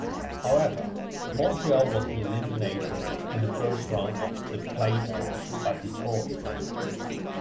However, Montreal was eliminated in the first round of the playoffs by Detroit.